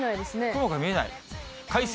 雲が見えない。